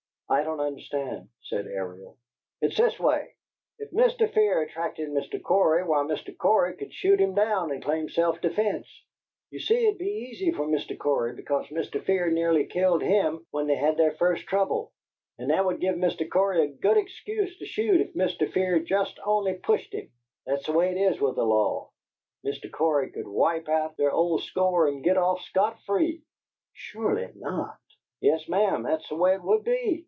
"I don't understand," said Ariel. "It's this way: if Mr. Fear attacted Mr. Cory, why, Mr. Cory could shoot him down and claim self defence. You see, it would be easy for Mr. Cory, because Mr Fear nearly killed him when they had their first trouble, and that would give Mr. Cory a good excuse to shoot if Mr. Fear jest only pushed him. That's the way it is with the law. Mr. Cory could wipe out their old score and git off scot free." "Surely not!" "Yes, ma'am, that's the way it would be.